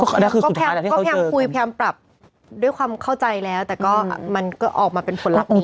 ก็คือสุดท้ายแหละที่เขาเจอก็พยายามพูดพยายามปรับด้วยความเข้าใจแล้วแต่ก็มันก็ออกมาเป็นผลลักษณ์นี้